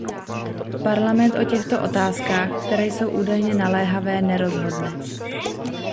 Parlament o těchto otázkách, které jsou údajně naléhavé, nerozhodne.